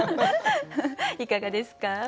いかがですか？